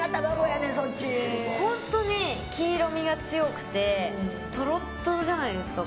本当に黄色みが強くてとろとろじゃないですか。